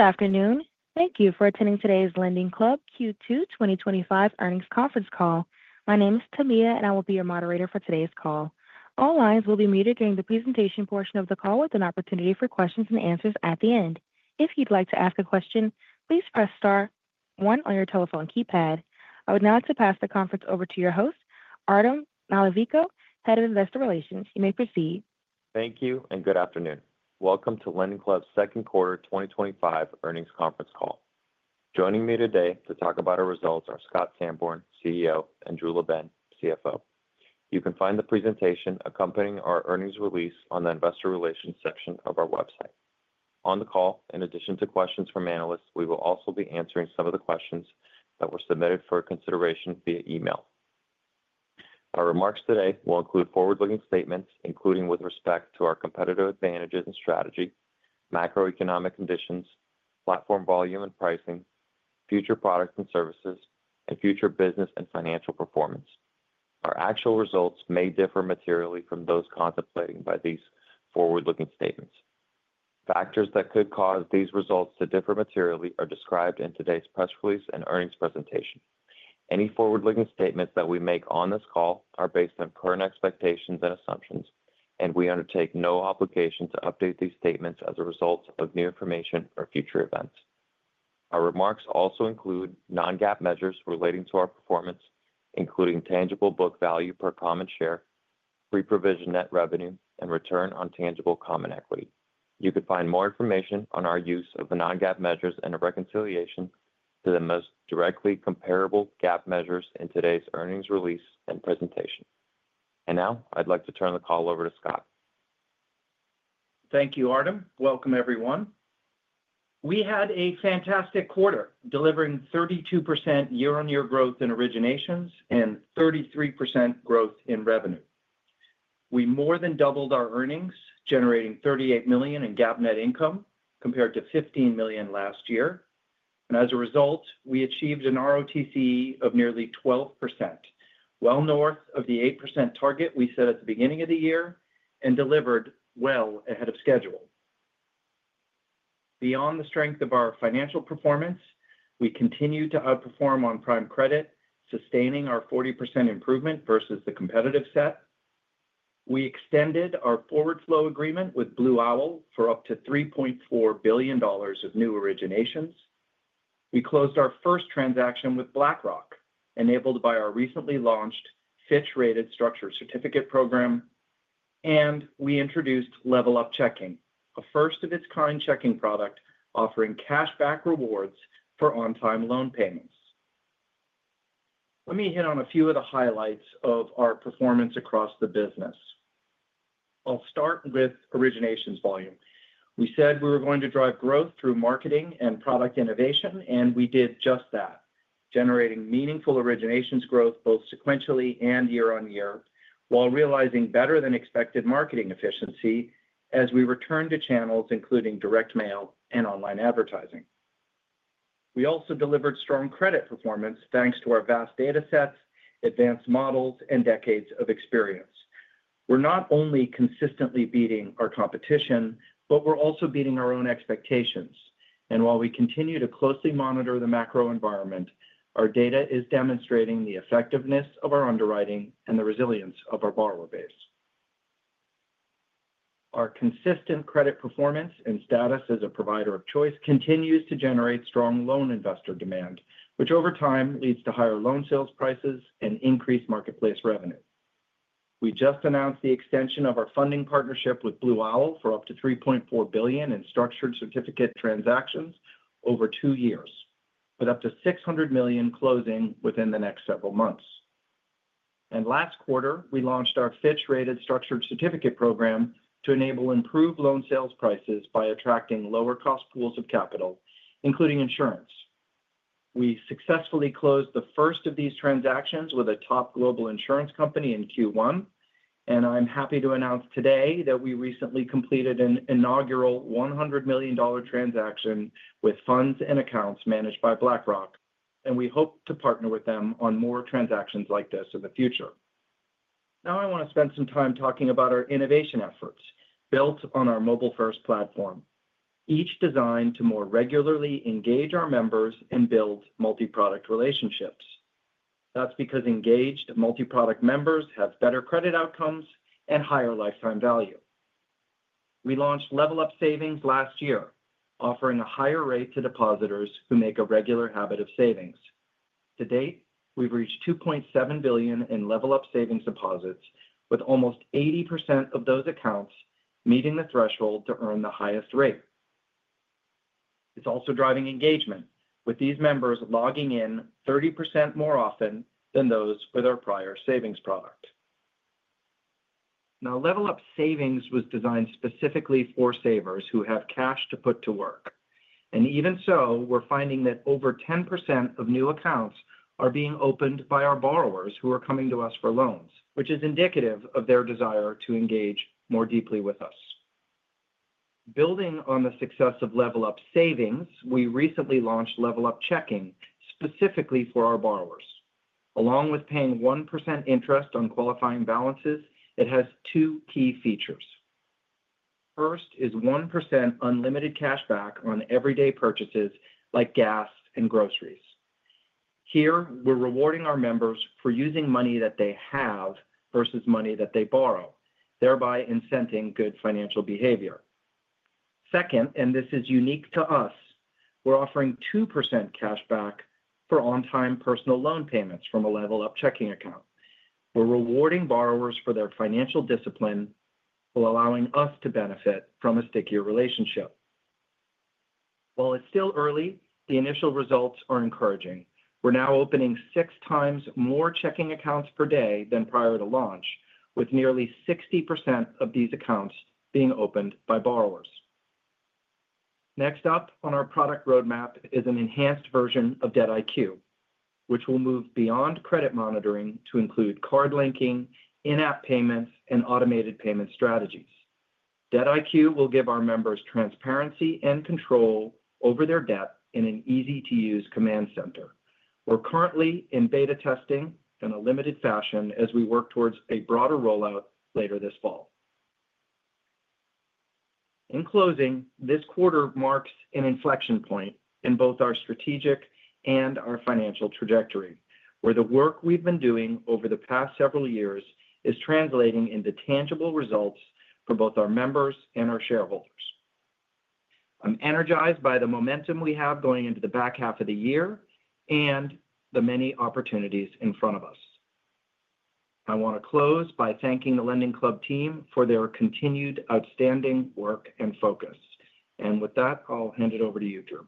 Good afternoon. Thank you for attending today's LendingClub Q2 2025 earnings conference call. My name is Tamia, and I will be your moderator for today's call. All lines will be muted during the presentation portion of the call, with an opportunity for questions and answers at the end. If you'd like to ask a question, please press star one on your telephone keypad. I would now like to pass the conference over to your host, Artem Nalivayko, Head of Investor Relations. You may proceed. Thank you, and good afternoon. Welcome to LendingClub's second quarter 2025 earnings conference call. Joining me today to talk about our results are Scott Sanborn, CEO, and Drew LaBenne, CFO. You can find the presentation accompanying our earnings release on the Investor Relations section of our website. On the call, in addition to questions from analysts, we will also be answering some of the questions that were submitted for consideration via email. Our remarks today will include forward-looking statements, including with respect to our competitive advantages and strategy, macroeconomic conditions, platform volume and pricing, future products and services, and future business and financial performance. Our actual results may differ materially from those contemplated by these forward-looking statements. Factors that could cause these results to differ materially are described in today's press release and earnings presentation. Any forward-looking statements that we make on this call are based on current expectations and assumptions, and we undertake no obligation to update these statements as a result of new information or future events. Our remarks also include non-GAAP measures relating to our performance, including tangible book value per common share, Pre-Provision Net Revenue, and return on tangible common equity. You can find more information on our use of the non-GAAP measures and a reconciliation to the most directly comparable GAAP measures in today's earnings release and presentation. Now, I'd like to turn the call over to Scott. Thank you, Artem. Welcome, everyone. We had a fantastic quarter, delivering 32% year-on-year growth in originations and 33% growth in revenue. We more than doubled our earnings, generating $38 million in GAAP net income compared to $15 million last year. As a result, we achieved an ROTCE of nearly 12%, well north of the 8% target we set at the beginning of the year and delivered well ahead of schedule. Beyond the strength of our financial performance, we continued to outperform on prime credit, sustaining our 40% improvement versus the competitive set. We extended our forward flow agreement with Blue Owl for up to $3.4 billion of new originations. We closed our first transaction with BlackRock, enabled by our recently launched Fitch-rated structured certificate program, and we introduced LevelUp Checking, a first-of-its-kind checking product offering cashback rewards for on-time loan payments. Let me hit on a few of the highlights of our performance across the business. I'll start with originations volume. We said we were going to drive growth through marketing and product innovation, and we did just that, generating meaningful originations growth both sequentially and year-on-year while realizing better-than-expected marketing efficiency as we returned to channels including direct mail and online advertising. We also delivered strong credit performance thanks to our vast datasets, advanced models, and decades of experience. We're not only consistently beating our competition, but we're also beating our own expectations. While we continue to closely monitor the macro environment, our data is demonstrating the effectiveness of our underwriting and the resilience of our borrower base. Our consistent credit performance and status as a provider of choice continue to generate strong loan investor demand, which over time leads to higher loan sales prices and increased marketplace revenue. We just announced the extension of our funding partnership with Blue Owl for up to $3.4 billion in structured certificate transactions over two years, with up to $600 million closing within the next several months. Last quarter, we launched our Fitch-rated structured certificate program to enable improved loan sales prices by attracting lower-cost pools of capital, including insurance. We successfully closed the first of these transactions with a top global insurance company in Q1. I'm happy to announce today that we recently completed an inaugural $100 million transaction with funds and accounts managed by BlackRock, and we hope to partner with them on more transactions like this in the future. I want to spend some time talking about our innovation efforts built on our mobile-first platform, each designed to more regularly engage our members and build multi-product relationships. That's because engaged multi-product members have better credit outcomes and higher lifetime value. We launched LevelUp Savings last year, offering a higher rate to depositors who make a regular habit of savings. To date, we've reached $2.7 billion in LevelUp Savings deposits, with almost 80% of those accounts meeting the threshold to earn the highest rate. It's also driving engagement, with these members logging in 30% more often than those with our prior savings product. LevelUp Savings was designed specifically for savers who have cash to put to work. Even so, we're finding that over 10% of new accounts are being opened by our borrowers who are coming to us for loans, which is indicative of their desire to engage more deeply with us. Building on the success of LevelUp Savings, we recently launched LevelUp Checking specifically for our borrowers. Along with paying 1% interest on qualifying balances, it has two key features. First is 1% unlimited cashback on everyday purchases like gas and groceries. Here, we're rewarding our members for using money that they have versus money that they borrow, thereby incenting good financial behavior. Second, and this is unique to us, we're offering 2% cashback for on-time personal loan payments from a LevelUp Checking account. We're rewarding borrowers for their financial discipline while allowing us to benefit from a stickier relationship. While it's still early, the initial results are encouraging. We're now opening six times more checking accounts per day than prior to launch, with nearly 60% of these accounts being opened by borrowers. Next up on our product roadmap is an enhanced version of DebtIQ, which will move beyond credit monitoring to include card linking, in-app payments, and automated payment strategies. DebtIQ will give our members transparency and control over their debt in an easy-to-use command center. We're currently in beta testing in a limited fashion as we work towards a broader rollout later this fall. In closing, this quarter marks an inflection point in both our strategic and our financial trajectory, where the work we've been doing over the past several years is translating into tangible results for both our members and our shareholders. I'm energized by the momentum we have going into the back half of the year and the many opportunities in front of us. I want to close by thanking the LendingClub team for their continued outstanding work and focus. With that, I'll hand it over to you, Drew.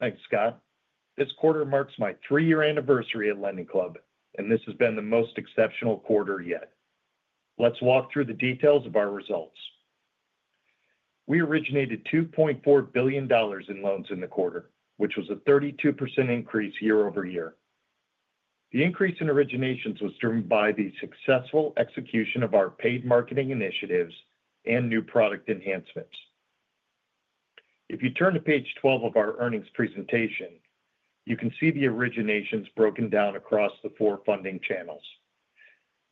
Thanks, Scott. This quarter marks my three-year anniversary at LendingClub, and this has been the most exceptional quarter yet. Let's walk through the details of our results. We originated $2.4 billion in loans in the quarter, which was a 32% increase year-over-year. The increase in originations was driven by the successful execution of our paid marketing initiatives and new product enhancements. If you turn to page 12 of our earnings presentation, you can see the originations broken down across the four funding channels.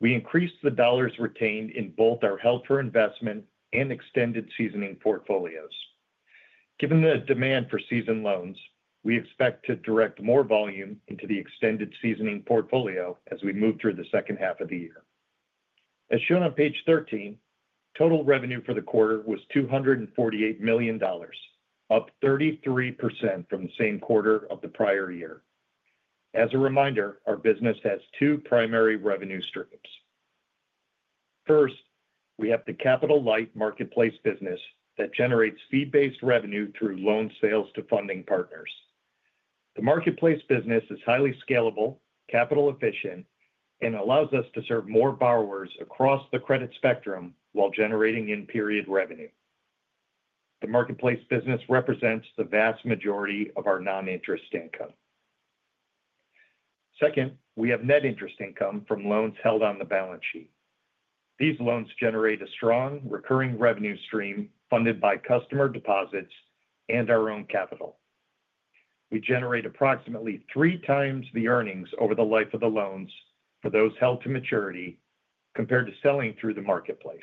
We increased the dollars retained in both our held for investment and extended seasoning portfolios. Given the demand for seasoned loans, we expect to direct more volume into the extended seasoning portfolio as we move through the second half of the year. As shown on page 13, total revenue for the quarter was $248 million, up 33% from the same quarter of the prior year. As a reminder, our business has two primary revenue streams. First, we have the capital light marketplace business that generates fee-based revenue through loan sales to funding partners. The marketplace business is highly scalable, capital efficient, and allows us to serve more borrowers across the credit spectrum while generating in-period revenue. The marketplace business represents the vast majority of our non-interest income. Second, we have net interest income from loans held on the balance sheet. These loans generate a strong recurring revenue stream funded by customer deposits and our own capital. We generate approximately three times the earnings over the life of the loans for those held to maturity compared to selling through the marketplace.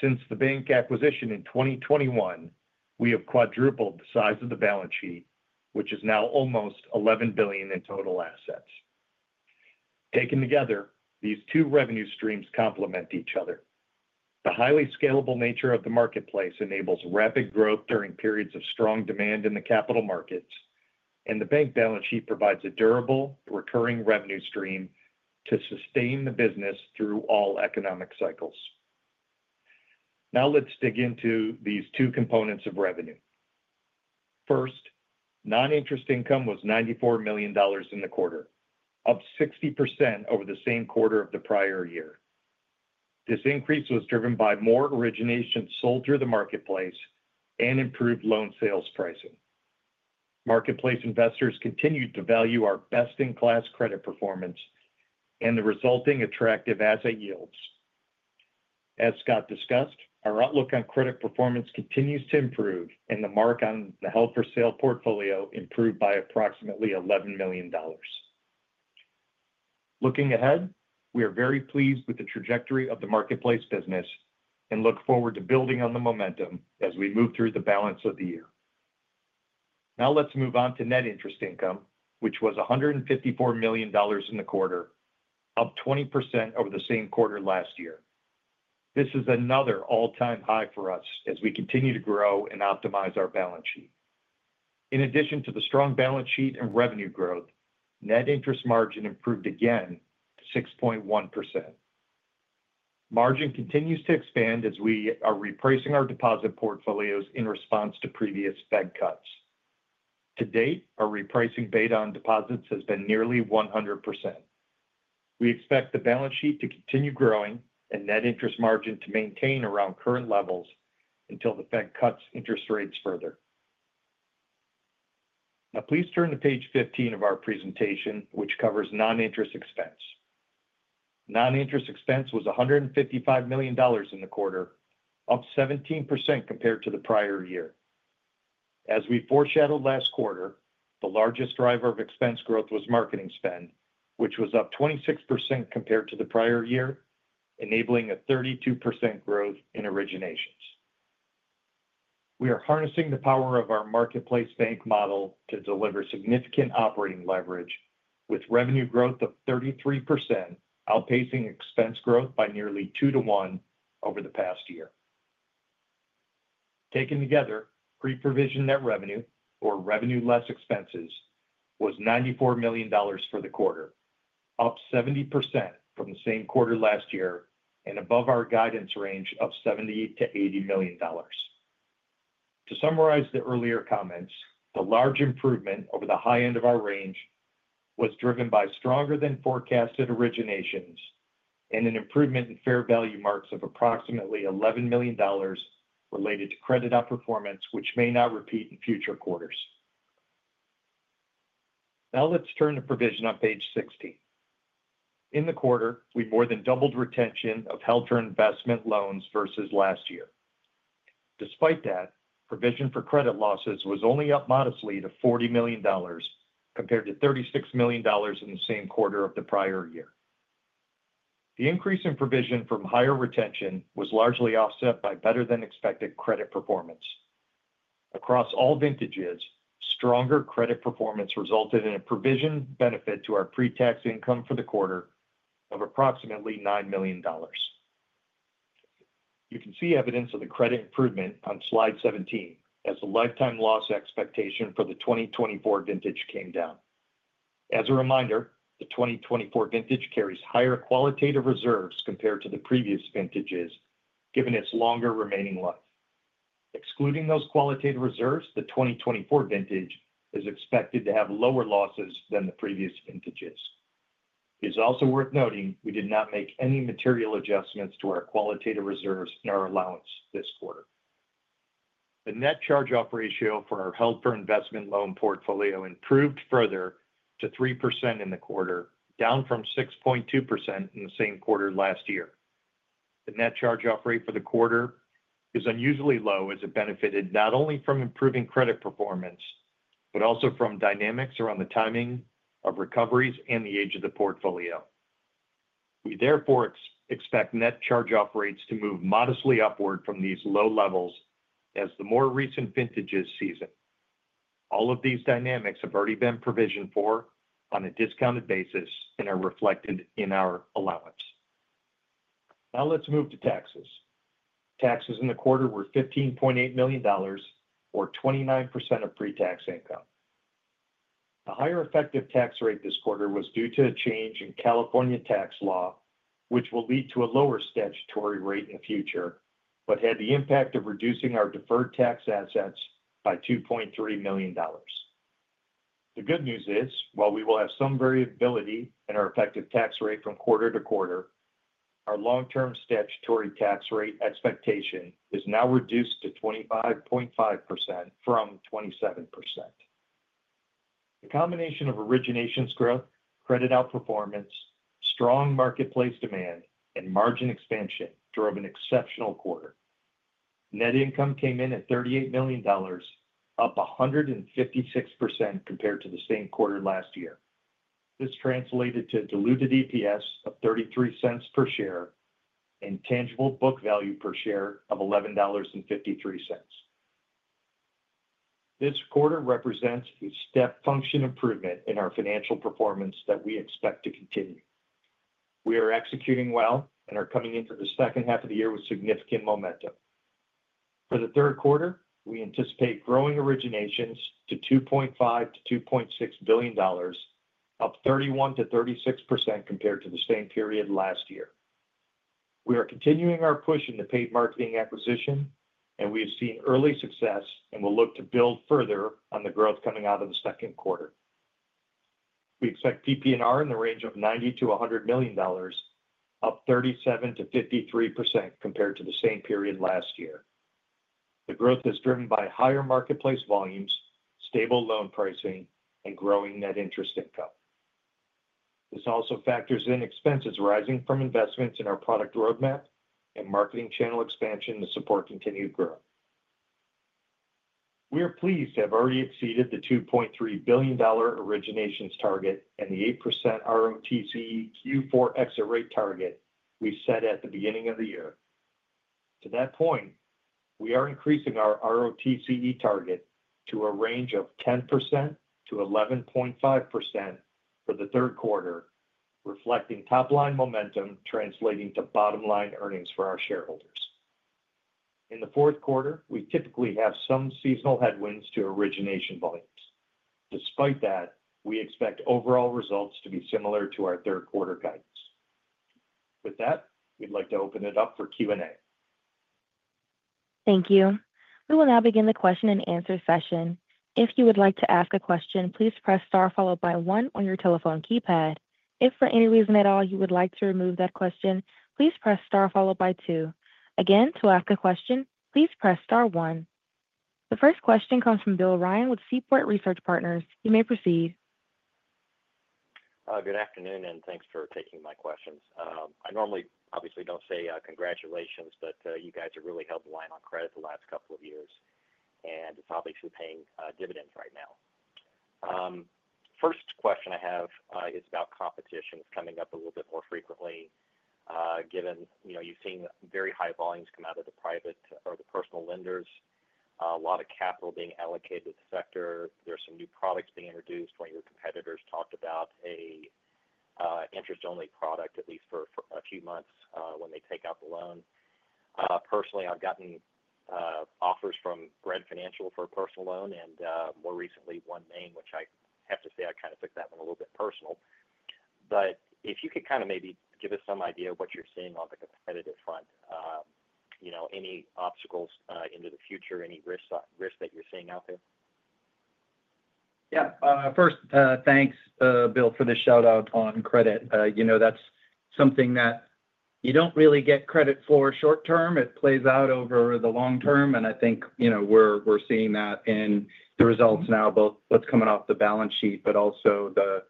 Since the bank acquisition in 2021, we have quadrupled the size of the balance sheet, which is now almost $11 billion in total assets. Taken together, these two revenue streams complement each other. The highly scalable nature of the marketplace enables rapid growth during periods of strong demand in the capital markets, and the bank balance sheet provides a durable recurring revenue stream to sustain the business through all economic cycles. Now, let's dig into these two components of revenue. First, non-interest income was $94 million in the quarter, up 60% over the same quarter of the prior year. This increase was driven by more originations sold through the marketplace and improved loan sales pricing. Marketplace investors continued to value our best-in-class credit performance and the resulting attractive asset yields. As Scott discussed, our outlook on credit performance continues to improve, and the mark on the healthcare sale portfolio improved by approximately $11 million. Looking ahead, we are very pleased with the trajectory of the marketplace business and look forward to building on the momentum as we move through the balance of the year. Now, let's move on to net interest income, which was $154 million in the quarter, up 20% over the same quarter last year. This is another all-time high for us as we continue to grow and optimize our balance sheet. In addition to the strong balance sheet and revenue growth, net interest margin improved again to 6.1%. Margin continues to expand as we are repricing our deposit portfolios in response to previous Fed cuts. To date, our repricing beta on deposits has been nearly 100%. We expect the balance sheet to continue growing and net interest margin to maintain around current levels until the Fed cuts interest rates further. Now, please turn to page 15 of our presentation, which covers non-interest expense. Non-interest expense was $155 million in the quarter, up 17% compared to the prior year. As we foreshadowed last quarter, the largest driver of expense growth was marketing spend, which was up 26% compared to the prior year, enabling a 32% growth in originations. We are harnessing the power of our marketplace bank model to deliver significant operating leverage with revenue growth of 33%, outpacing expense growth by nearly two to one over the past year. Taken together, Pre-Provision Net Revenue, or revenue less expenses, was $94 million for the quarter, up 70% from the same quarter last year and above our guidance range of $78 million-$80 million. To summarize the earlier comments, the large improvement over the high end of our range was driven by stronger-than-forecasted originations and an improvement in fair value marks of approximately $11 million related to credit outperformance, which may not repeat in future quarters. Now, let's turn to provision on page 60. In the quarter, we more than doubled retention of held for investment loans versus last year. Despite that, provision for credit losses was only up modestly to $40 million compared to $36 million in the same quarter of the prior year. The increase in provision from higher retention was largely offset by better-than-expected credit performance. Across all vintages, stronger credit performance resulted in a provision benefit to our pre-tax income for the quarter of approximately $9 million. You can see evidence of the credit improvement on slide 17 as the lifetime loss expectation for the 2024 vintage came down. As a reminder, the 2024 vintage carries higher qualitative reserves compared to the previous vintages, given its longer remaining life. Excluding those qualitative reserves, the 2024 vintage is expected to have lower losses than the previous vintages. It is also worth noting we did not make any material adjustments to our qualitative reserves in our allowance this quarter. The net charge-off ratio for our held for investment loan portfolio improved further to 3% in the quarter, down from 6.2% in the same quarter last year. The net charge-off rate for the quarter is unusually low as it benefited not only from improving credit performance but also from dynamics around the timing of recoveries and the age of the portfolio. We therefore expect net charge-off rates to move modestly upward from these low levels as the more recent vintages season. All of these dynamics have already been provisioned for on a discounted basis and are reflected in our allowance. Now, let's move to taxes. Taxes in the quarter were $15.8 million, or 29% of pre-tax income. The higher effective tax rate this quarter was due to a change in California tax law, which will lead to a lower statutory rate in the future, but had the impact of reducing our deferred tax assets by $2.3 million. The good news is, while we will have some variability in our effective tax rate from quarter to quarter, our long-term statutory tax rate expectation is now reduced to 25.5% from 27%. The combination of originations growth, credit outperformance, strong marketplace demand, and margin expansion drove an exceptional quarter. Net income came in at $38 million, up 156% compared to the same quarter last year. This translated to a diluted EPS of $0.33 per share and tangible book value per share of $11.53. This quarter represents a step-function improvement in our financial performance that we expect to continue. We are executing well and are coming into the second half of the year with significant momentum. For the third quarter, we anticipate growing originations to $2.5 billion-$2.6 billion, up 31%-36% compared to the same period last year. We are continuing our push in the paid marketing acquisition, and we have seen early success and will look to build further on the growth coming out of the second quarter. We expect PP&R in the range of $90 million-$100 million, up 37%-53% compared to the same period last year. The growth is driven by higher marketplace volumes, stable loan pricing, and growing net interest income. This also factors in expenses arising from investments in our product roadmap and marketing channel expansion to support continued growth. We are pleased to have already exceeded the $2.3 billion originations target and the 8% ROTCE Q4 exit rate target we set at the beginning of the year. To that point, we are increasing our ROTCE target to a range of 10%-11.5% for the third quarter, reflecting top-line momentum translating to bottom-line earnings for our shareholders. In the fourth quarter, we typically have some seasonal headwinds to origination volumes. Despite that, we expect overall results to be similar to our third quarter guidance. With that, we'd like to open it up for Q&A. Thank you. We will now begin the question-and-answer session. If you would like to ask a question, please press star followed by one on your telephone keypad. If for any reason at all you would like to remove that question, please press star followed by two. Again, to ask a question, please press star one. The first question comes from William Ryan with Seaport Research Partners. You may proceed. Good afternoon, and thanks for taking my questions. I normally obviously don't say congratulations, but you guys have really held the line on credit the last couple of years, and it's obviously paying dividends right now. First question I have is about competition. It's coming up a little bit more frequently. Given, you know, you've seen very high volumes come out of the private or the personal lenders, a lot of capital being allocated to the sector. There are some new products being introduced. One of your competitors talked about an interest-only product, at least for a few months when they take out the loan. Personally, I've gotten offers from Grant Financial for a personal loan and more recently OneMain, which I have to say I kind of took that one a little bit personal. If you could kind of maybe give us some idea of what you're seeing on the competitive front, any obstacles into the future, any risks that you're seeing out there? Yeah. First, thanks, Bill, for the shout-out on credit. That's something that you don't really get credit for short term. It plays out over the long term. I think we're seeing that in the results now, both what's coming off the balance sheet, but also the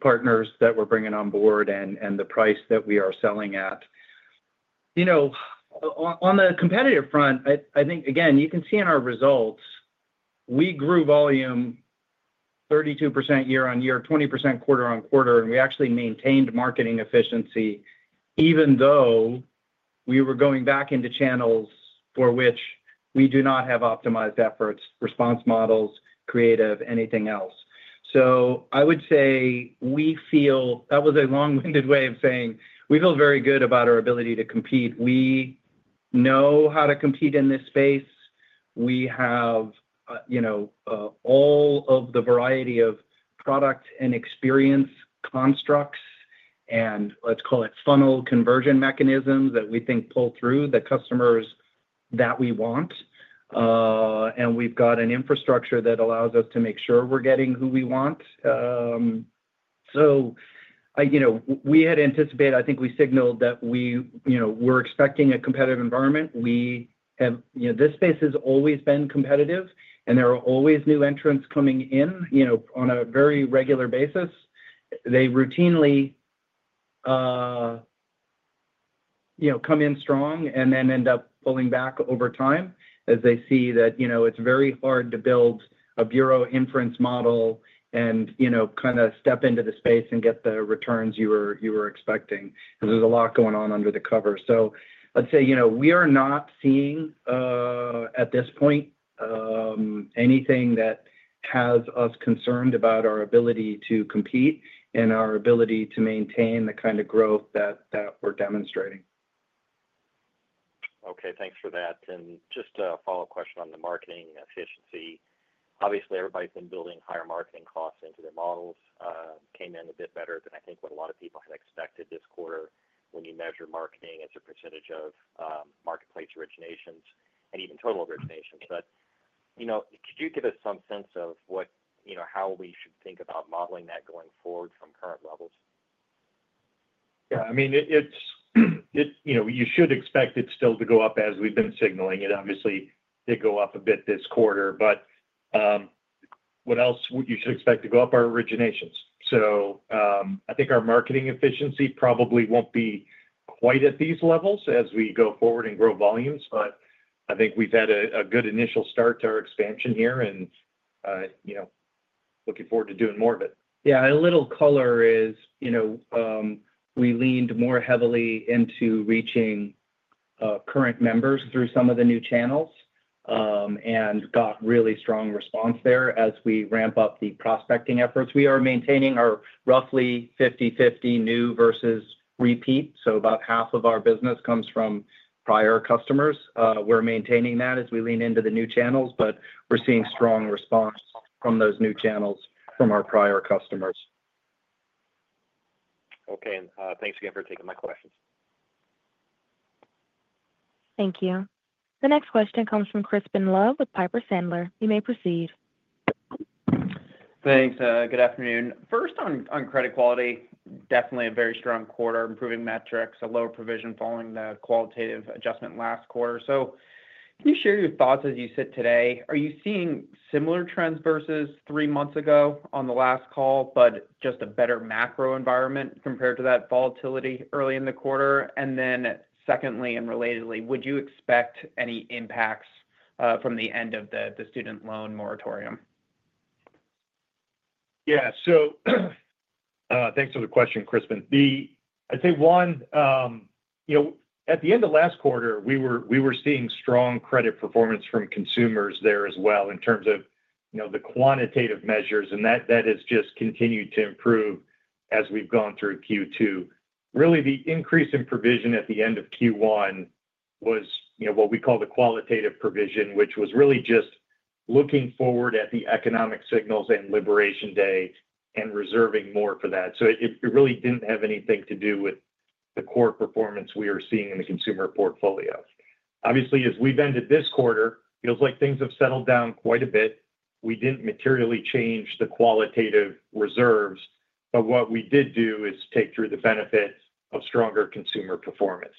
partners that we're bringing on board and the price that we are selling at. On the competitive front, I think, again, you can see in our results, we grew volume 32% year-on-year, 20% quarter-on-quarter, and we actually maintained marketing efficiency even though we were going back into channels for which we do not have optimized efforts, response models, creative, anything else. I would say we feel that was a long-winded way of saying we feel very good about our ability to compete. We know how to compete in this space. We have all of the variety of product and experience constructs and let's call it funnel conversion mechanisms that we think pull through the customers that we want. We've got an infrastructure that allows us to make sure we're getting who we want. We had anticipated, I think we signaled that we were expecting a competitive environment. This space has always been competitive, and there are always new entrants coming in on a very regular basis. They routinely come in strong and then end up pulling back over time as they see that it's very hard to build a bureau inference model and kind of step into the space and get the returns you were expecting because there's a lot going on under the covers. I'd say we are not seeing, at this point, anything that has us concerned about our ability to compete and our ability to maintain the kind of growth that we're demonstrating. Okay. Thanks for that. Just a follow-up question on the marketing efficiency. Obviously, everybody's been building higher marketing costs into their models. It came in a bit better than I think what a lot of people had expected this quarter when you measure marketing as a percentage of marketplace originations and even total originations. Could you give us some sense of how we should think about modeling that going forward from current levels? Yeah, you should expect it still to go up as we've been signaling it. Obviously, it did go up a bit this quarter. What else you should expect to go up are originations. I think our marketing efficiency probably won't be quite at these levels as we go forward and grow volumes, but I think we've had a good initial start to our expansion here and looking forward to doing more of it. Yeah, a little color is, you know, we leaned more heavily into reaching current members through some of the new channels and got really strong response there as we ramp up the prospecting efforts. We are maintaining our roughly 50/50 new versus repeat, so about half of our business comes from prior customers. We're maintaining that as we lean into the new channels, but we're seeing strong response from those new channels from our prior customers. Okay, thanks again for taking my questions. Thank you. The next question comes from Crispin Love with Piper Sandler. You may proceed. Thanks. Good afternoon. First, on credit quality, definitely a very strong quarter, improving metrics, a lower provision following the qualitative adjustment last quarter. Can you share your thoughts as you sit today? Are you seeing similar trends versus three months ago on the last call, just a better macro environment compared to that volatility early in the quarter? Secondly, and relatedly, would you expect any impacts from the end of the student loan moratorium? Yeah. Thanks for the question, Crispin. I'd say one, at the end of last quarter, we were seeing strong credit performance from consumers there as well in terms of the quantitative measures, and that has just continued to improve as we've gone through Q2. Really, the increase in provision at the end of Q1 was what we call the qualitative provision, which was really just looking forward at the economic signals and liberation day and reserving more for that. It really didn't have anything to do with the core performance we are seeing in the consumer portfolio. Obviously, as we've ended this quarter, it feels like things have settled down quite a bit. We didn't materially change the qualitative reserves, but what we did do is take through the benefits of stronger consumer performance.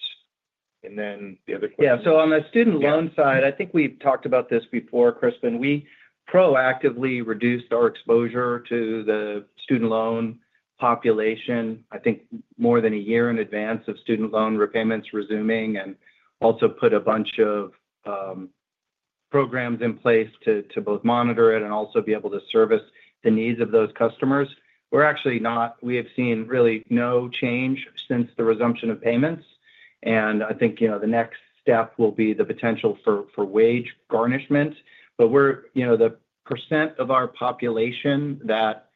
Then the other question. Yeah. On the student loan side, I think we've talked about this before, Crispin. We proactively reduced our exposure to the student loan population, I think, more than a year in advance of student loan repayments resuming and also put a bunch of programs in place to both monitor it and be able to service the needs of those customers. We're actually not, we have seen really no change since the resumption of payments. I think the next step will be the potential for wage garnishment. The percent of our population that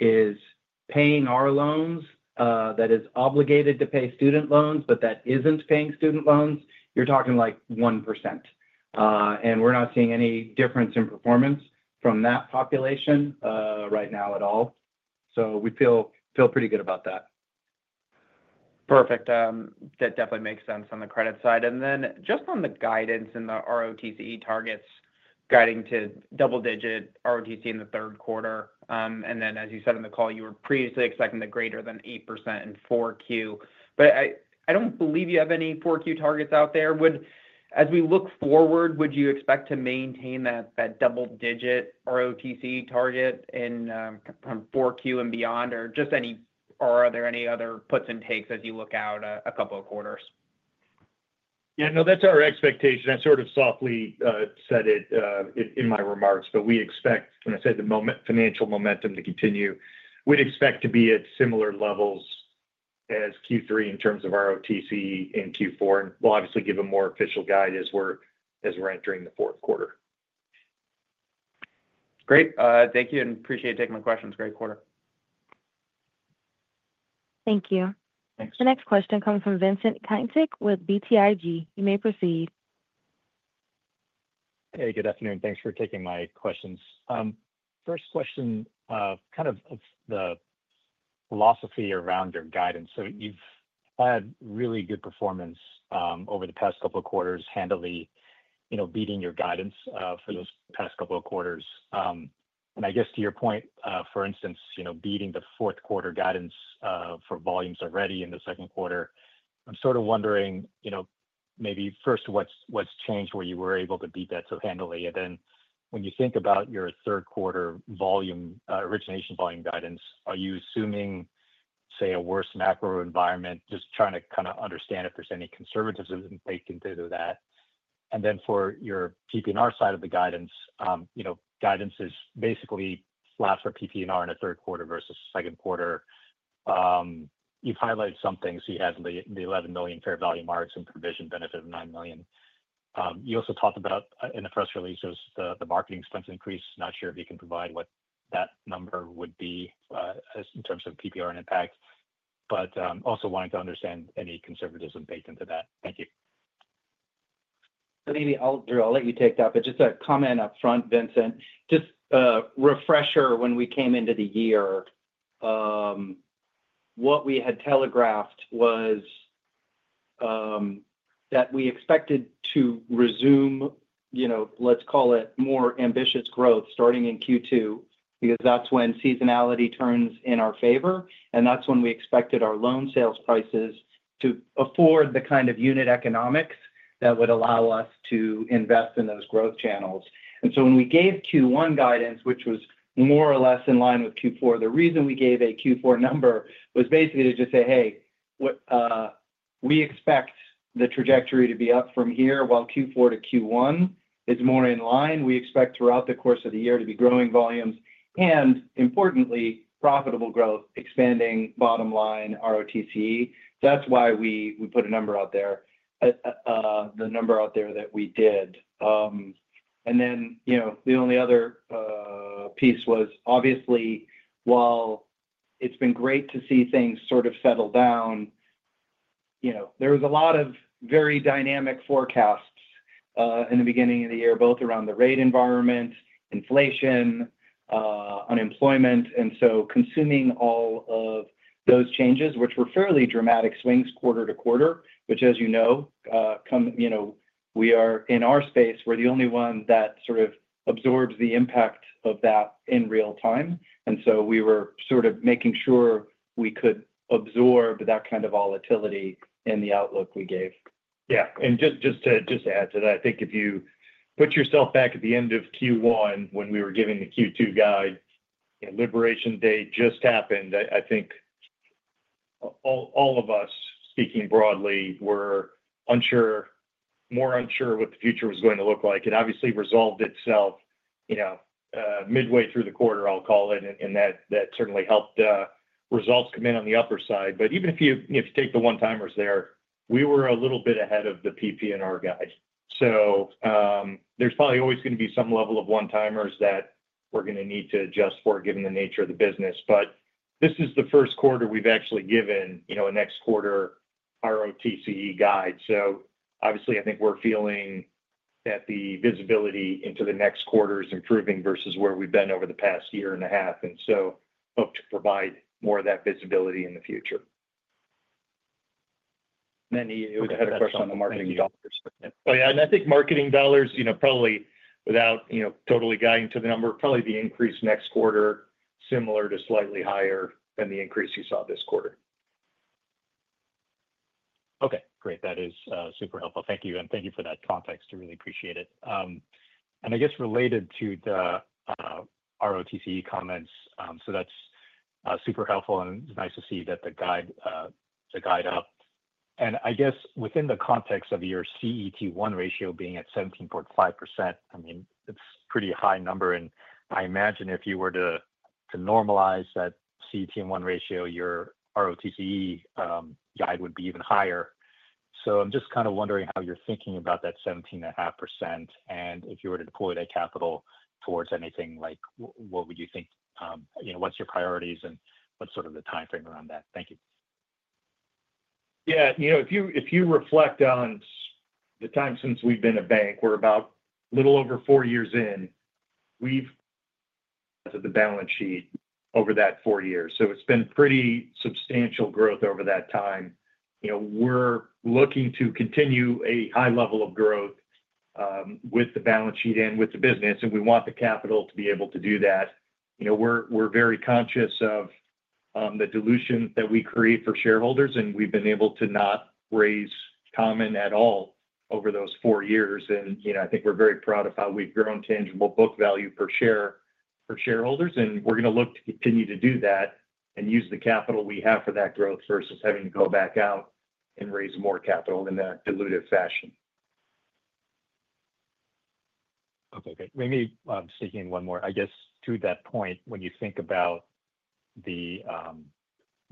is paying our loans, that is obligated to pay student loans, but that isn't paying student loans, you're talking like 1%. We're not seeing any difference in performance from that population right now at all. We feel pretty good about that. Perfect. That definitely makes sense on the credit side. Just on the guidance and the ROTCE targets guiding to double-digit ROTCE in the third quarter. As you said in the call, you were previously expecting the greater than 8% in 4Q. I don't believe you have any 4Q targets out there. As we look forward, would you expect to maintain that double-digit ROTCE target in kind of 4Q and beyond, or are there any other puts and takes as you look out a couple of quarters? Yeah. No, that's our expectation. I sort of softly said it in my remarks, but we expect, when I say the financial momentum to continue, we'd expect to be at similar levels as Q3 in terms of ROTCE in Q4. We'll obviously give a more official guide as we're entering the fourth quarter. Great. Thank you and appreciate you taking my questions. Great quarter. Thank you. Thanks. The next question comes from Vincent Caintic with BTIG. You may proceed. Hey, good afternoon. Thanks for taking my questions. First question, kind of the philosophy around your guidance. You've had really good performance over the past couple of quarters, handily beating your guidance for those past couple of quarters. I guess to your point, for instance, beating the fourth quarter guidance for volumes already in the second quarter, I'm sort of wondering, maybe first what's changed where you were able to beat that so handily. When you think about your third quarter origination volume guidance, are you assuming, say, a worse macro environment? Just trying to kind of understand if there's any conservatism that they can do to that. For your PP&R side of the guidance, guidance is basically flat for PP&R in the third quarter versus the second quarter. You've highlighted some things. You had the $11 million fair value marks and provision benefit of $9 million. You also talked about in the first release the marketing expense increase. Not sure if you can provide what that number would be in terms of PP&R and impact, but also wanted to understand any conservatism that's baked into that. Thank you. Maybe I'll let you take that, but just a comment up front, Vincent. Just a refresher, when we came into the year, what we had telegraphed was that we expected to resume, you know, let's call it more ambitious growth starting in Q2 because that's when seasonality turns in our favor. That's when we expected our loan sales prices to afford the kind of unit economics that would allow us to invest in those growth channels. When we gave Q1 guidance, which was more or less in line with Q4, the reason we gave a Q4 number was basically to just say, "Hey, we expect the trajectory to be up from here while Q4 to Q1 is more in line. We expect throughout the course of the year to be growing volumes and, importantly, profitable growth, expanding bottom line ROTCE." That's why we put a number out there, the number out there that we did. The only other piece was, obviously, while it's been great to see things sort of settle down, there was a lot of very dynamic forecasts in the beginning of the year, both around the rate environment, inflation, unemployment. Consuming all of those changes, which were fairly dramatic swings quarter to quarter, which, as you know, come, you know, we are in our space, we're the only one that sort of absorbs the impact of that in real time. We were sort of making sure we could absorb that kind of volatility in the outlook we gave. Yeah. Just to add to that, I think if you put yourself back at the end of Q1 when we were giving the Q2 guide, you know, liberation date just happened. I think all of us, speaking broadly, were unsure, more unsure what the future was going to look like. It obviously resolved itself, you know, midway through the quarter, I'll call it, and that certainly helped results come in on the upper side. Even if you take the one-timers there, we were a little bit ahead of the PP&R guide. There's probably always going to be some level of one-timers that we're going to need to adjust for, given the nature of the business. This is the first quarter we've actually given, you know, a next quarter ROTCE guide. Obviously, I think we're feeling that the visibility into the next quarter is improving versus where we've been over the past year and a half. Hope to provide more of that visibility in the future. You had a question on the marketing dollars. Oh, yeah. I think marketing dollars, you know, probably without, you know, totally guiding to the number, probably increase next quarter, similar to slightly higher than the increase you saw this quarter. Okay. Great. That is super helpful. Thank you. Thank you for that context. I really appreciate it. I guess related to the ROTCE comments, that is super helpful and it's nice to see that the guide up. I guess within the context of your CET1 ratio being at 17.5%, it's a pretty high number. I imagine if you were to normalize that CET1 ratio, your ROTCE guide would be even higher. I'm just kind of wondering how you're thinking about that 17.5%. If you were to deploy that capital towards anything, what would you think, what are your priorities, and what's sort of the timeframe around that? Thank you. Yeah. You know, if you reflect on the time since we've been a bank, we're about a little over four years in. We've grown the balance sheet over that four years. It's been pretty substantial growth over that time. You know, we're looking to continue a high level of growth with the balance sheet and with the business. We want the capital to be able to do that. You know, we're very conscious of the dilution that we create for shareholders, and we've been able to not raise common at all over those four years. I think we're very proud of how we've grown tangible book value per share for shareholders. We're going to look to continue to do that and use the capital we have for that growth versus having to go back out and raise more capital in a diluted fashion. Okay. Great. Maybe I'm sticking in one more. I guess to that point, when you think about the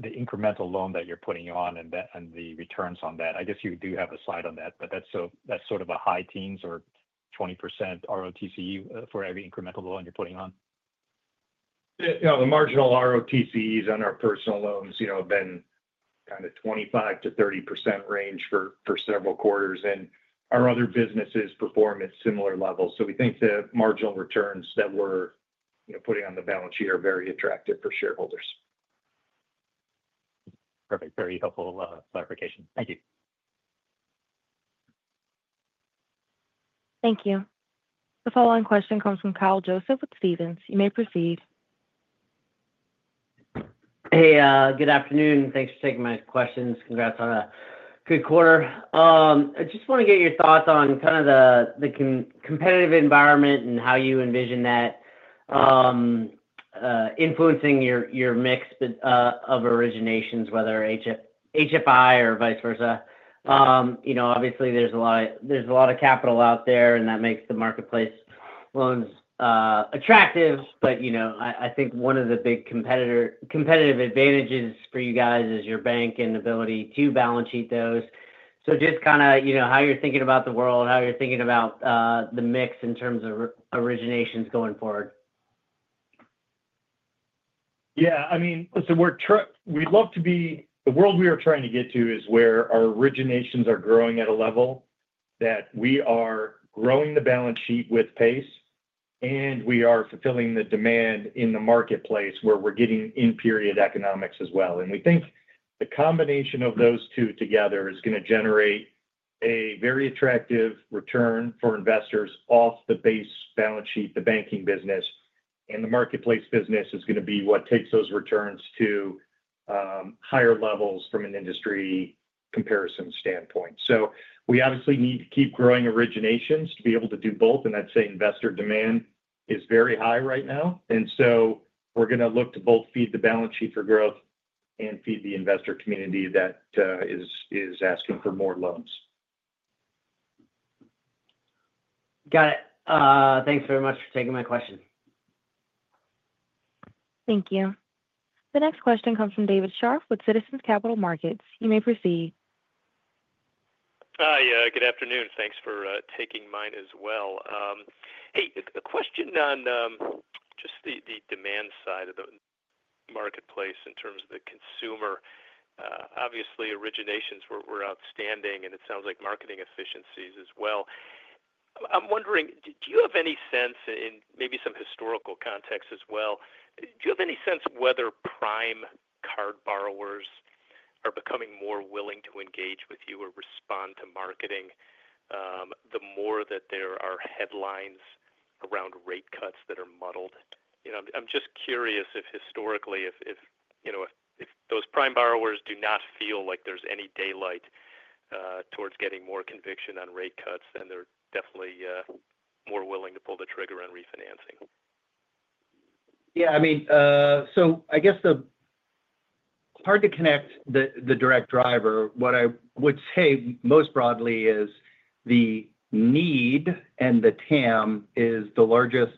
incremental loan that you're putting on and the returns on that, I guess you do have a side on that, but that's sort of a high teens or 20% ROTCE for every incremental loan you're putting on? Yeah. The marginal ROTCEs on our personal loans, you know, have been kind of 25%-30% range for several quarters. Our other businesses perform at similar levels. We think the marginal returns that we're putting on the balance sheet are very attractive for shareholders. Perfect. Very helpful clarification. Thank you. Thank you. The following question comes from Kyle Joseph with Stephens. You may proceed. Hey, good afternoon. Thanks for taking my questions. Congrats on a good quarter. I just want to get your thoughts on the competitive environment and how you envision that influencing your mix of originations, whether held for investment or vice versa. Obviously, there's a lot of capital out there, and that makes the marketplace loans attractive. I think one of the big competitive advantages for you guys is your bank and the ability to balance sheet those. Just how you're thinking about the world, how you're thinking about the mix in terms of originations going forward. Yeah. I mean, we'd love to be the world we are trying to get to, where our originations are growing at a level that we are growing the balance sheet with pace, and we are fulfilling the demand in the marketplace where we're getting in-period economics as well. We think the combination of those two together is going to generate a very attractive return for investors off the base balance sheet, the banking business. The marketplace business is going to be what takes those returns to higher levels from an industry comparison standpoint. We obviously need to keep growing originations to be able to do both. I'd say investor demand is very high right now, so we're going to look to both feed the balance sheet for growth and feed the investor community that is asking for more loans. Got it. Thanks very much for taking my question. Thank you. The next question comes from David Scharf with Citizens Capital Markets. You may proceed. Hi. Good afternoon. Thanks for taking mine as well. Hey, a question on just the demand side of the marketplace in terms of the consumer. Obviously, originations were outstanding, and it sounds like marketing efficiencies as well. I'm wondering, do you have any sense in maybe some historical context as well? Do you have any sense whether prime card borrowers are becoming more willing to engage with you or respond to marketing the more that there are headlines around rate cuts that are muddled? I'm just curious if historically, if you know, if those prime borrowers do not feel like there's any daylight towards getting more conviction on rate cuts, then they're definitely more willing to pull the trigger on refinancing. Yeah, I mean, I guess it's hard to connect the direct driver. What I would say most broadly is the need and the TAM is the largest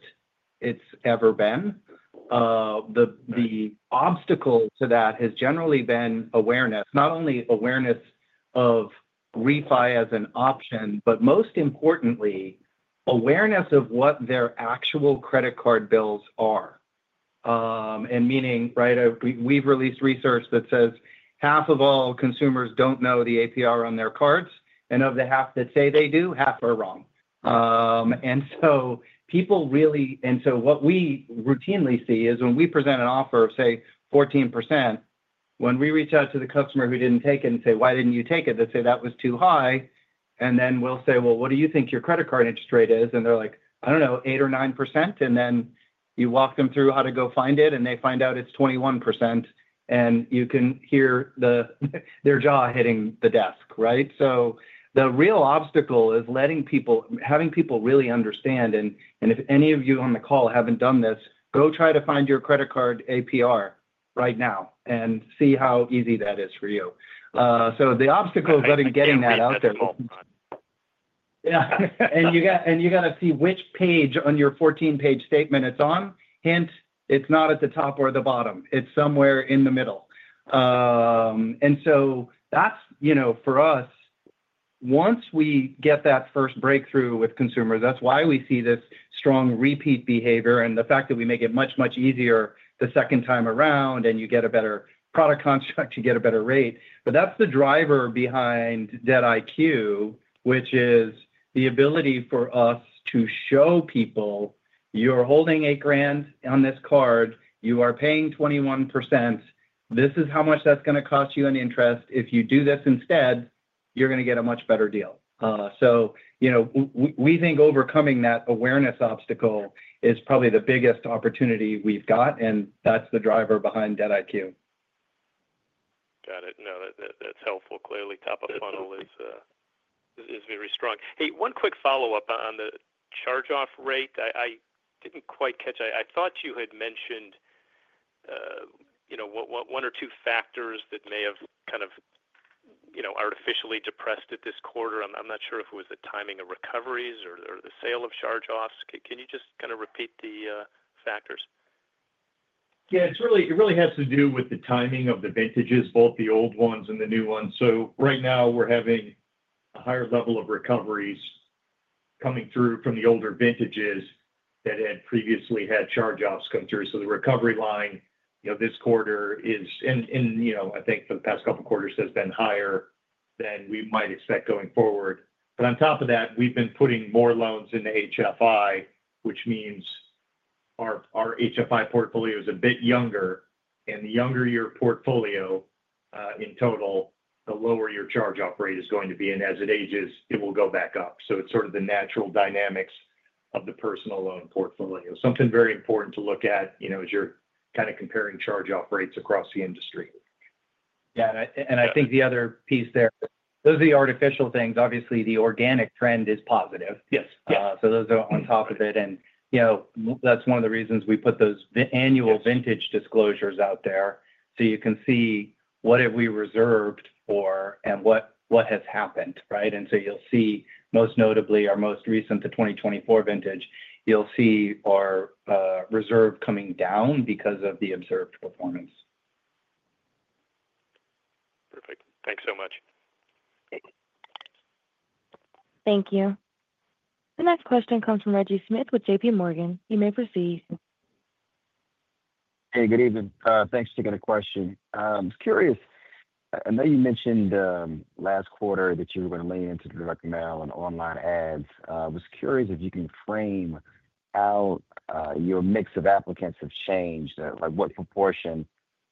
it's ever been. The obstacle to that has generally been awareness, not only awareness of ReFi as an option, but most importantly, awareness of what their actual credit card bills are. Meaning, we've released research that says half of all consumers don't know the APR on their cards, and of the half that say they do, half are wrong. People really, and what we routinely see is when we present an offer of, say, 14%, when we reach out to the customer who didn't take it and say, "Why didn't you take it?" they say, "That was too high." We say, "What do you think your credit card interest rate is?" and they're like, "I don't know, 8% or 9%." You walk them through how to go find it, and they find out it's 21%. You can hear their jaw hitting the desk, right? The real obstacle is letting people, having people really understand. If any of you on the call haven't done this, go try to find your credit card APR right now and see how easy that is for you. The obstacle is getting that out there. You have to see which page on your 14-page statement it's on. Hint, it's not at the top or the bottom. It's somewhere in the middle. For us, once we get that first breakthrough with consumers, that's why we see this strong repeat behavior and the fact that we make it much, much easier the second time around, and you get a better product construct, you get a better rate. That's the driver behind DebtIQ, which is the ability for us to show people you're holding $1,000 on this card, you are paying 21%, this is how much that's going to cost you in interest. If you do this instead, you're going to get a much better deal. We think overcoming that awareness obstacle is probably the biggest opportunity we've got, and that's the driver behind DebtIQ. Got it. No, that's helpful. Clearly, top of funnel is very strong. Hey, one quick follow-up on the charge-off rate. I didn't quite catch. I thought you had mentioned one or two factors that may have kind of artificially depressed it this quarter. I'm not sure if it was the timing of recoveries or the sale of charge-offs. Can you just kind of repeat the factors? Yeah. It really has to do with the timing of the vintages, both the old ones and the new ones. Right now, we're having a higher level of recoveries coming through from the older vintages that had previously had charge-offs come through. The recovery line this quarter is, and I think for the past couple of quarters has been, higher than we might expect going forward. On top of that, we've been putting more loans into HFI, which means our HFI portfolio is a bit younger. The younger your portfolio, in total, the lower your charge-off rate is going to be. As it ages, it will go back up. It's sort of the natural dynamics of the personal loan portfolio. Something very important to look at as you're kind of comparing charge-off rates across the industry. I think the other piece there, those are the artificial things. Obviously, the organic trend is positive. Yes. Those are on top of it. You know, that's one of the reasons we put those annual vintage disclosures out there, so you can see what have we reserved for and what has happened, right? You'll see, most notably, our most recent, the 2024 vintage, you'll see our reserve coming down because of the observed performance. Perfect. Thanks so much. Thank you. The next question comes from Reggie Smith with JPMorgan. You may proceed. Hey, good evening. Thanks for taking the question. I was curious, I know you mentioned last quarter that you were going to lean into direct mail and online ads. I was curious if you can frame how your mix of applicants have changed, like what proportion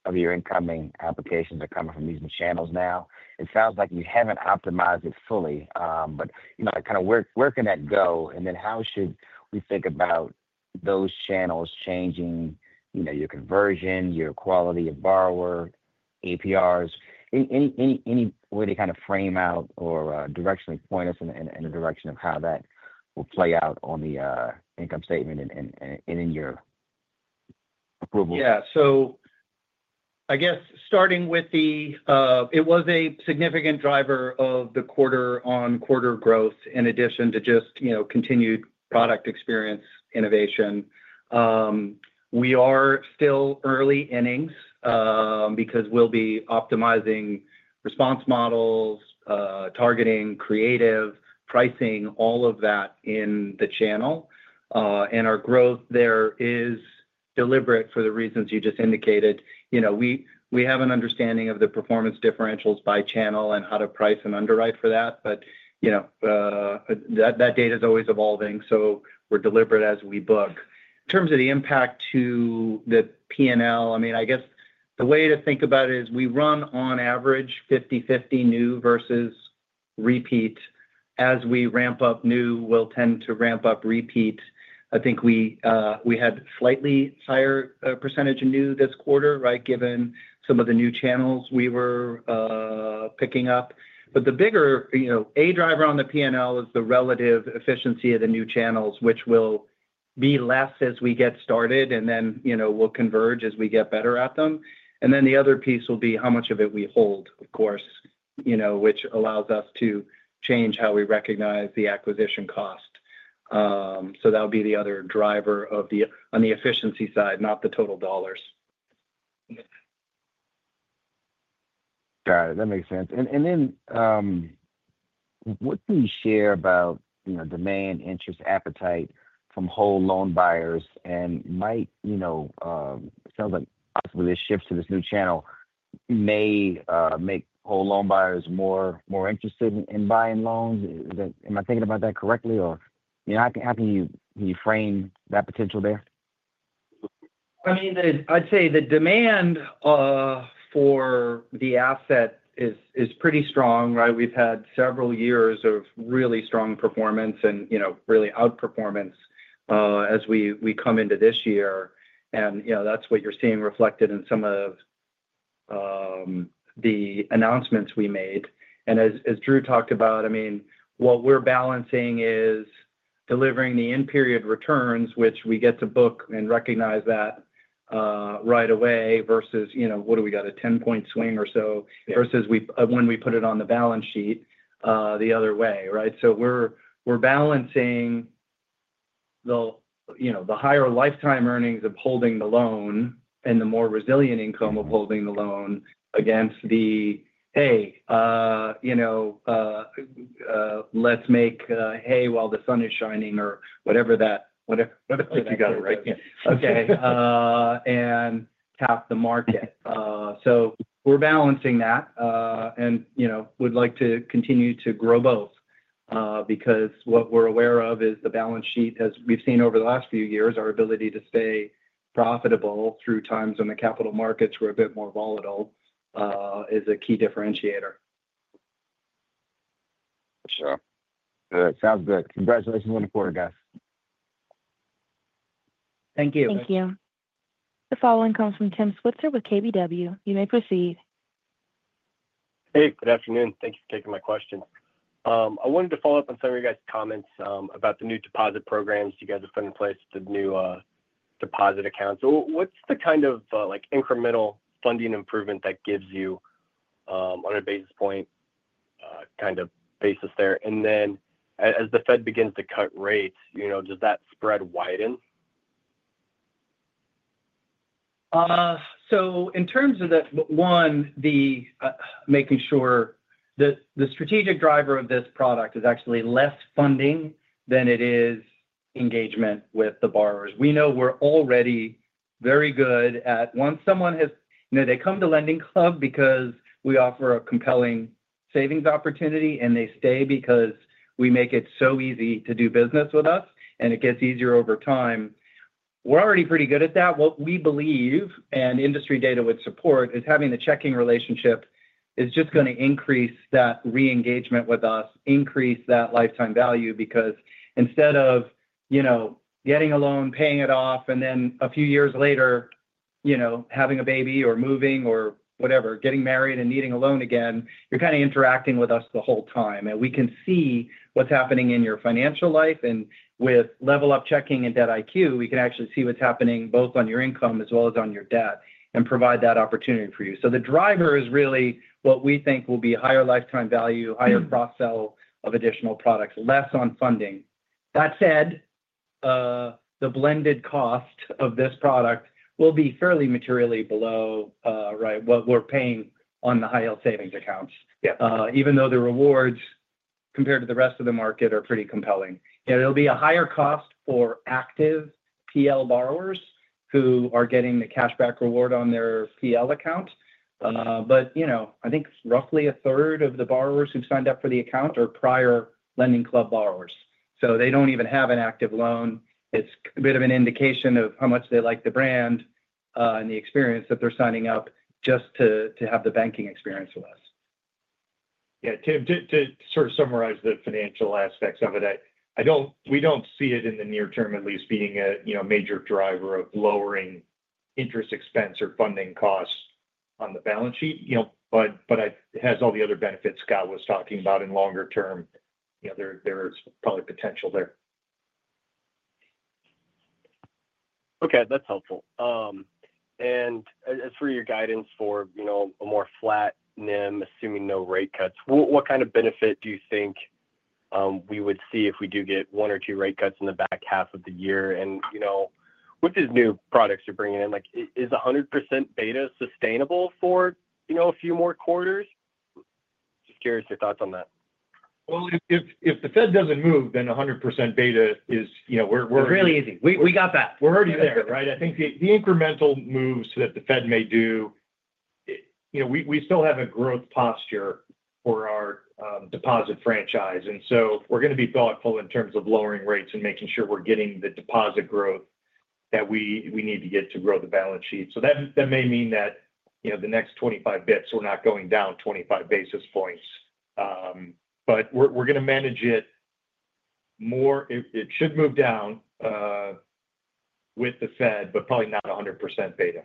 of your incoming applications are coming from these new channels now. It sounds like you haven't optimized it fully, but you know, kind of where can that go? How should we think about those channels changing your conversion, your quality of borrower, APRs? Any way to kind of frame out or directionally point us in the direction of how that will play out on the income statement and in your approval? Yeah. I guess starting with the, it was a significant driver of the quarter-on-quarter growth in addition to just continued product experience innovation. We are still early innings because we'll be optimizing response models, targeting, creative, pricing, all of that in the channel. Our growth there is deliberate for the reasons you just indicated. We have an understanding of the performance differentials by channel and how to price and underwrite for that. That data is always evolving, so we're deliberate as we book. In terms of the impact to the P&L, the way to think about it is we run on average 50/50 new versus repeat. As we ramp up new, we'll tend to ramp up repeat. I think we had a slightly higher percentage of new this quarter, right, given some of the new channels we were picking up. The bigger driver on the P&L is the relative efficiency of the new channels, which will be less as we get started. We'll converge as we get better at them. The other piece will be how much of it we hold, of course, which allows us to change how we recognize the acquisition cost. That'll be the other driver on the efficiency side, not the total dollars. Got it. That makes sense. What do you share about demand, interest, appetite from whole loan buyers? It sounds like with this shift to this new channel, it may make whole loan buyers more interested in buying loans. Am I thinking about that correctly? How can you frame that potential there? I'd say the demand for the asset is pretty strong, right? We've had several years of really strong performance and, you know, really outperformance as we come into this year. That's what you're seeing reflected in some of the announcements we made. As Drew talked about, what we're balancing is delivering the in-period returns, which we get to book and recognize that right away versus, you know, what do we got? A 10% swing or so versus when we put it on the balance sheet the other way, right? We're balancing the higher lifetime earnings of holding the loan and the more resilient income of holding the loan against the, "Hey, you know, let's make hay while the sun is shining," or whatever the fuck you got it, right? Okay. Cap the market. We're balancing that. We'd like to continue to grow both because what we're aware of is the balance sheet, as we've seen over the last few years, our ability to stay profitable through times when the capital markets were a bit more volatile is a key differentiator. Sure. Sounds good. Congratulations on the quarter, guys. Thank you. Thank you. The following comes from Tim Switzer with KBW. You may proceed. Hey, good afternoon. Thank you for taking my question. I wanted to follow up on some of your guys' comments about the new deposit programs to get the funding plates to new deposit accounts. What's the kind of like incremental funding improvement that gives you on a basis point kind of basis there? As the Fed begins to cut rates, you know, does that spread widen? In terms of that, one, making sure that the strategic driver of this product is actually less funding than it is engagement with the borrowers. We know we're already very good at once someone has, you know, they come to LendingClub because we offer a compelling savings opportunity and they stay because we make it so easy to do business with us and it gets easier over time. We're already pretty good at that. What we believe and industry data would support is having the checking relationship is just going to increase that re-engagement with us, increase that lifetime value because instead of, you know, getting a loan, paying it off, and then a few years later, you know, having a baby or moving or whatever, getting married and needing a loan again, you're kind of interacting with us the whole time. We can see what's happening in your financial life. With LevelUp Checking and DebtIQ, we can actually see what's happening both on your income as well as on your debt and provide that opportunity for you. The driver is really what we think will be higher lifetime value, higher cross-sell of additional products, less on funding. That said, the blended cost of this product will be fairly materially below what we're paying on the high-yield savings accounts, even though the rewards compared to the rest of the market are pretty compelling. It'll be a higher cost for active TL borrowers who are getting the cashback reward on their TL account. I think roughly a third of the borrowers who've signed up for the account are prior LendingClub borrowers, so they don't even have an active loan. It's a bit of an indication of how much they like the brand and the experience that they're signing up just to have the banking experience with us. Yeah. To sort of summarize the financial aspects of it, we don't see it in the near term at least being a major driver of lowering interest expense or funding costs on the balance sheet. It has all the other benefits Scott was talking about in longer term. There's probably potential there. Okay. That's helpful. As for your guidance for, you know, a more flat NIM, assuming no rate cuts, what kind of benefit do you think we would see if we do get one or two rate cuts in the back half of the year? With these new products you're bringing in, like is 100% beta sustainable for, you know, a few more quarters? Just curious your thoughts on that. If the Fed doesn't move, then 100% beta is, you know, we're really easy. We got that. We're already there, right? I think the incremental moves that the Fed may do, you know, we still have a growth posture for our deposit franchise. We're going to be thoughtful in terms of lowering rates and making sure we're getting the deposit growth that we need to get to grow the balance sheet. That may mean that, you know, the next 25 bps we're not going down 25 basis points. We're going to manage it more. It should move down with the Fed, but probably not 100% beta.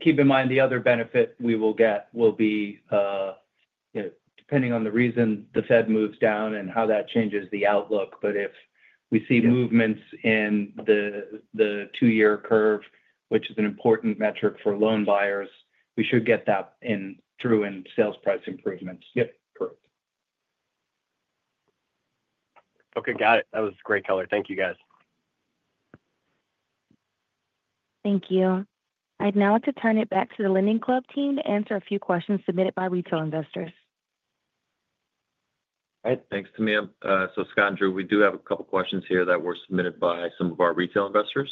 Keep in mind the other benefit we will get will be, you know, depending on the reason the Fed moves down and how that changes the outlook. If we see movements in the two-year curve, which is an important metric for loan buyers, we should get that through in sales price improvements. Okay. Got it. That was great, Keller. Thank you, guys. Thank you. I'd now like to turn it back to the LendingClub team to answer a few questions submitted by retail investors. All right. Thanks, Tamia. Scott, Drew, we do have a couple of questions here that were submitted by some of our retail investors.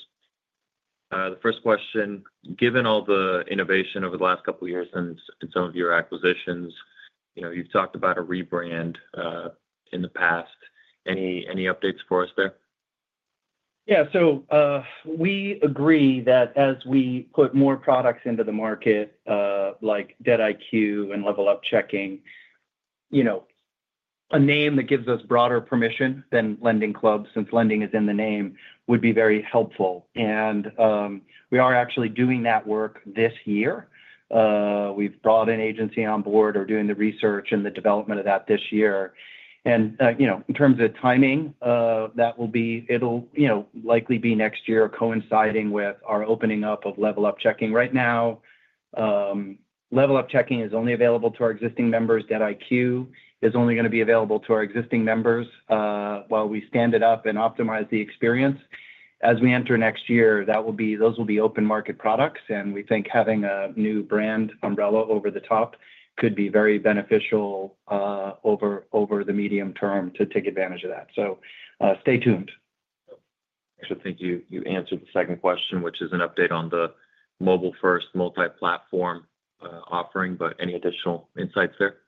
The first question, given all the innovation over the last couple of years and some of your acquisitions, you've talked about a rebrand in the past. Any updates for us there? Yeah. We agree that as we put more products into the market, like DebtIQ and LevelUp Checking, a name that gives us broader permission than LendingClub, since lending is in the name, would be very helpful. We are actually doing that work this year. We've brought an agency on board and are doing the research and the development of that this year. In terms of timing, that will likely be next year coinciding with our opening up of LevelUp Checking. Right now, LevelUp Checking is only available to our existing members. DebtIQ is only going to be available to our existing members while we stand it up and optimize the experience. As we enter next year, those will be open market products. We think having a new brand umbrella over the top could be very beneficial over the medium term to take advantage of that. Stay tuned. I think you answered the second question, which is an update on the mobile-first multi-platform offering, but any additional insights there?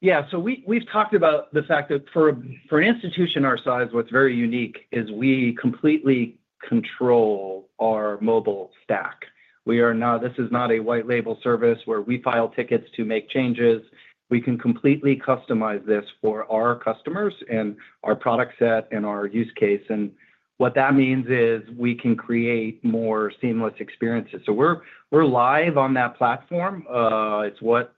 Yeah. We've talked about the fact that for an institution our size, what's very unique is we completely control our mobile stack. This is not a white-label service where we file tickets to make changes. We can completely customize this for our customers and our product set and our use case. What that means is we can create more seamless experiences. We're live on that platform. It's what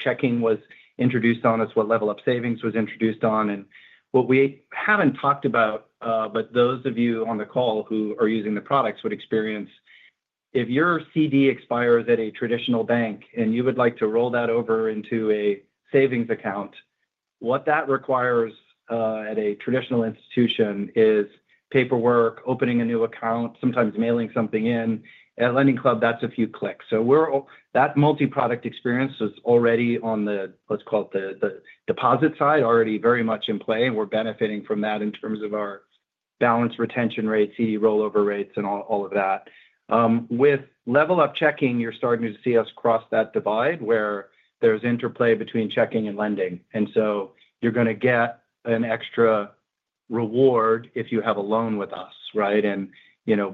checking was introduced on, it's what LevelUp Savings was introduced on. What we haven't talked about, but those of you on the call who are using the products would experience, if your CD expires at a traditional bank and you would like to roll that over into a savings account, what that requires at a traditional institution is paperwork, opening a new account, sometimes mailing something in. At LendingClub, that's a few clicks. That multi-product experience is already on the, let's call it the deposit side, already very much in play. We're benefiting from that in terms of our balance retention rates, CD rollover rates, and all of that. With LevelUp Checking, you're starting to see us cross that divide where there's interplay between checking and lending. You're going to get an extra reward if you have a loan with us, right?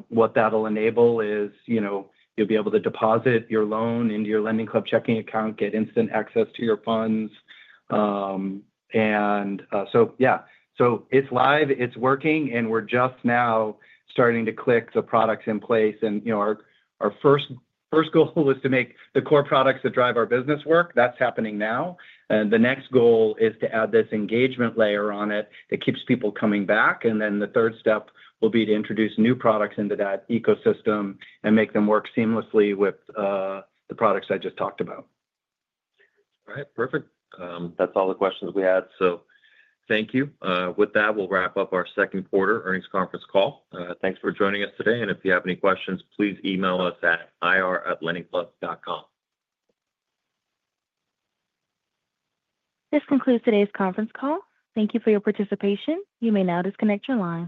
What that'll enable is you'll be able to deposit your loan into your LendingClub checking account, get instant access to your funds. It's live, it's working, and we're just now starting to click the products in place. Our first goal is to make the core products that drive our business work. That's happening now. The next goal is to add this engagement layer on it that keeps people coming back. The third step will be to introduce new products into that ecosystem and make them work seamlessly with the products I just talked about. All right. Perfect. That's all the questions we had. Thank you. With that, we'll wrap up our second quarter earnings conference call. Thanks for joining us today. If you have any questions, please email us at ir@lendingclub.com. This concludes today's conference call. Thank you for your participation. You may now disconnect your line.